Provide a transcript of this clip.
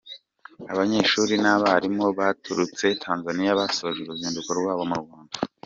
Abanyeshuri n’abarimu baturutse Tanzania basoje uruzinduko rwabo mu Rwanda